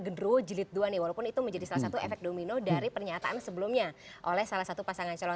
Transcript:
genru jilid dua nih walaupun itu menjadi salah satu efek domino dari pernyataan sebelumnya oleh salah satu pasangan calon